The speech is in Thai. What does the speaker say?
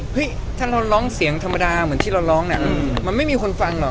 ถ้าเราร้องเสียงธรรมดาเหมือนที่เราร้องเนี่ยมันไม่มีคนฟังหรอก